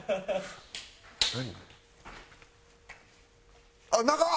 何？